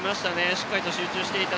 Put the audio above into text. しっかり集中していました。